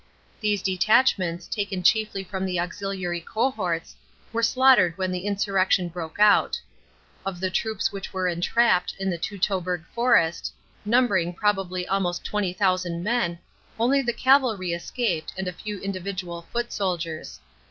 These detachments, taken chiefly from the auxiliary cohorts, were slaughtered when the insurrection broke out. Of the troops which were entrapped in the Teutoburg forest, numbering probably almost 20,000 men, only the cavalry escaped and a few individual foot soldiers.